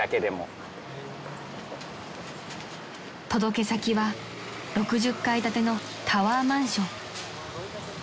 ［届け先は６０階建てのタワーマンション］